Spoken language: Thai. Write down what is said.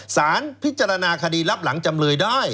สารพิจารณาคดีรับหลังจำเลยได้